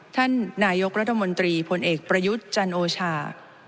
ท่านนายกรัฐมนตรีพลเอกประยุทธ์จันโอชา